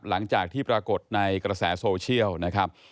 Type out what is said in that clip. หลังจากที่ปรากฏในกระแสโซเชียลนะครับ